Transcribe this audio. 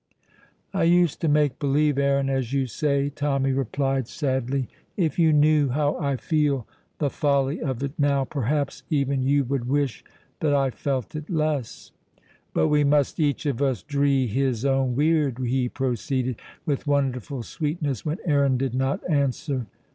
"I used to make believe, Aaron, as you say," Tommy replied sadly. "If you knew how I feel the folly of it now, perhaps even you would wish that I felt it less. "But we must each of us dree his own weird," he proceeded, with wonderful sweetness, when Aaron did not answer.